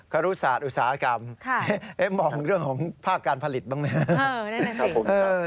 ครุศาสตร์อุตสาหกรรมมองเรื่องของภาคการผลิตบ้างไหมครับผม